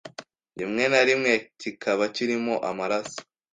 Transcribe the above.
rimwe na rimwe kikaba kirimo amaraso